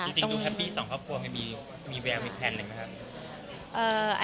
ค่ะพี่ดูครับพี่สองครอบครัวมีแววมีแพลนอะไรปะค่ะ